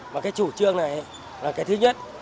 và cái chủ trương này là cái thứ nhất